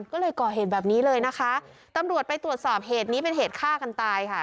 ก็เลยก่อเหตุแบบนี้เลยนะคะตำรวจไปตรวจสอบเหตุนี้เป็นเหตุฆ่ากันตายค่ะ